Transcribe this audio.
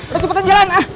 lu cepetan jalan